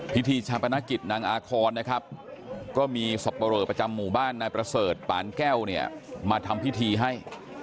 พิธีชาปนกิจนางอาคอนนะครับก็มีสับปะเรอประจำหมู่บ้านนายประเสริฐปานแก้วเนี่ยมาทำพิธีให้